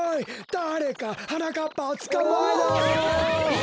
だれかはなかっぱをつかまえろ！